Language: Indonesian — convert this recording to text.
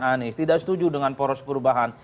anies tidak setuju dengan poros perubahan